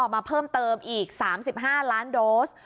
มาเพิ่มเติมอีก๓๕ล้านโดส